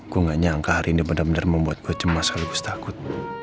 gue gak nyangka hari ini bener bener membuat gue cemas halus takut